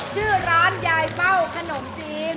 ชื่อร้านยายเป้าขนมจีน